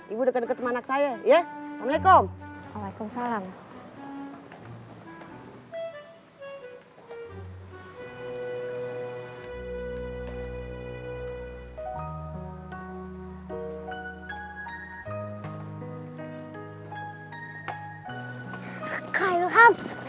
ibu deket deket sama anak saya ya